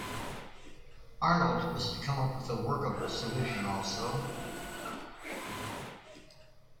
Arnold was to come up with a workable solution, also.